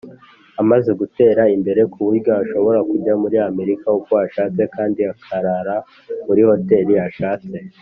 amaze gutera imbere kuburyo ashobora kujya muri amerika uko ashatse kandi akarara muri hoteli ashatse